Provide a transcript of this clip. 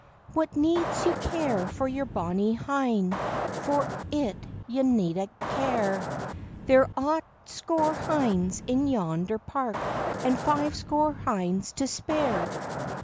"What needs you care for your bonny hyn? For it you needna care; There's aught score hyns in yonder park, And five score hyns to spare.